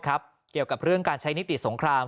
เกี่ยวกับเรื่องการใช้นิติสงคราม